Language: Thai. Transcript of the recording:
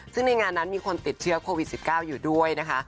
ซึ่งในงานนั้นมีคนติดเชื้อโควิด๑๙อยู่ด้วยนะคะ